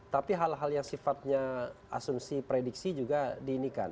tapi hal hal yang sifatnya asumsi prediksi juga diinikan